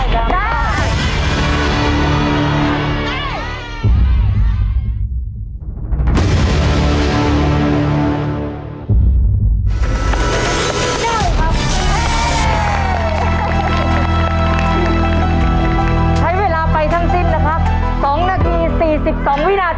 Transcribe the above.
ใช้เวลาทั้งสิ้นนะครับ๒นาที๔๒วินาที